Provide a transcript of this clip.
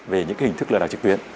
về những hình thức lừa đảo trực tuyến